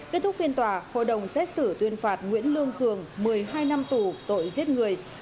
kết thúc phiên tòa hội đồng xét xử tuyên phạt nguyễn lương cường một mươi hai năm tù tội giết người